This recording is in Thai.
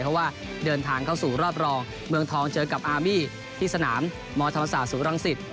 เพราะว่าเดินทางเข้าสู่รอบรองเมืองทองเจอกับอาร์บี้ที่สนามมธรรมศาสตศูนรังสิต